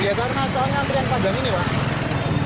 iya karena soalnya antre yang padang ini pak